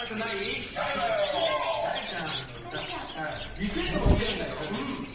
リクエストも来てるんだよ。